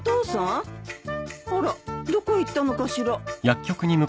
あらどこへ行ったのかしら。